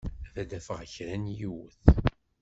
Ad d-afeɣ kra n yiwet.